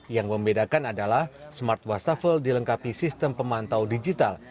yang membedakan adalah smart wastafel dilengkapi sistem pemantau digital